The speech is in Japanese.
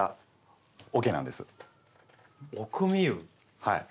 はい。